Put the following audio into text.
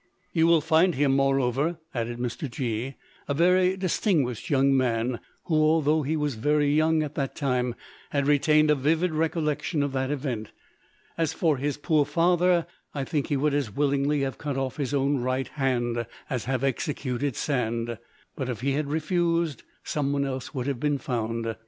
"You will find him, moreover," added Mr. G——, "a very distinguished young man, who, although he was very young at that time, has retained a vivid recollection of that event. As for his poor father, I think he would as willingly have cut off his own right hand as have executed Sand; but if he had refused, someone else would have been found.